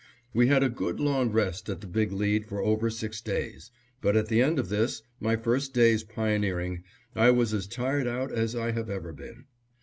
We had a good long rest at the Big Lead for over six days, but at the end of this, my first day's pioneering, I was as tired out as I have ever been.